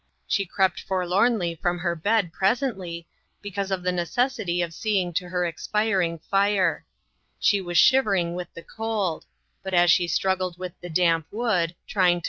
She crept for lornly from her bed presently, because of the necessity of seeing to her expiring fire. She was shivering with the cold ; but as she struggled with the damp wood, trying to TRYING to ENDURE. ?